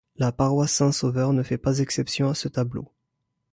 La paroisse Saint-Sauveur ne fait pas exception à ce tableau.